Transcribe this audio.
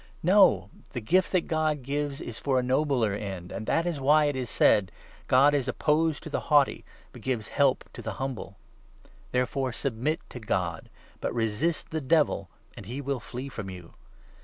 ' No ; the gift that God gives 6 is for a nobler end ; and that is why it is said —' God is opposed to the haughty, but gives help to the humble.' There 7 fore submit to God ; but resist the Devil, and he will flee from you.